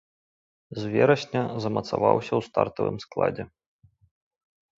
З верасня замацаваўся ў стартавым складзе.